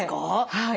はい。